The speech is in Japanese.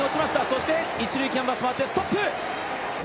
そして一塁キャンバスを回ってストップ。